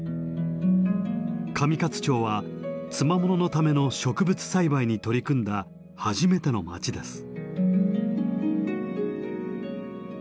上勝町は「つまもの」のための植物栽培に取り組んだ初めての町です。